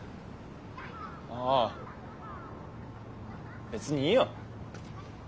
ああ別にいいよ。